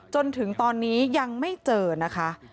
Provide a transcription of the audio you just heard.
จนถึงตอนนี้ยังไม่เจอนะคะ